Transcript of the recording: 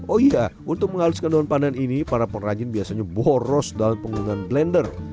oh iya untuk menghaluskan daun pandan ini para perajin biasanya boros dalam penggunaan blender